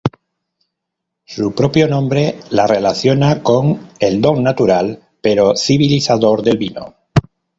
Su propio nombre la relaciona con el don natural pero civilizador del vino.